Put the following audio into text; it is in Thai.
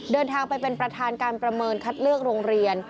เดินทางไปเป็นประธานการประเมินคัดเลือกโรงเรียน